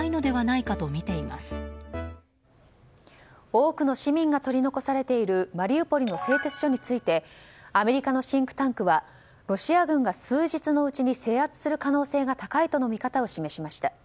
多くの市民が取り残されているマリウポリの製鉄所についてアメリカのシンクタンクはロシア軍が数日のうちに制圧する可能性が高いとの見方を示しました。